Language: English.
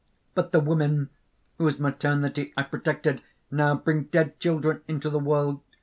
But the women whose maternity I protected, now bring dead children into the world.